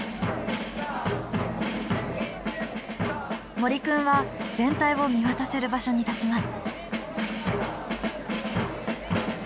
森くんは全体を見渡せる場所に立ちます。